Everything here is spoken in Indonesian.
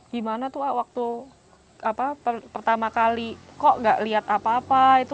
gimana waktu pertama kali kok tidak melihat apa apa